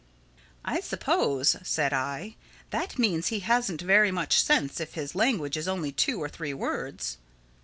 "I suppose," said I, "that means he hasn't very much sense—if his language is only two or three words?"